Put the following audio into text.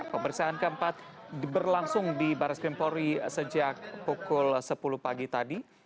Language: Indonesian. pemeriksaan keempat berlangsung di baris krimpori sejak pukul sepuluh pagi tadi